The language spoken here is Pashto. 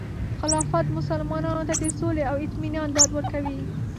خلافت مسلمانانو ته د سولې او اطمینان ډاډ ورکوي.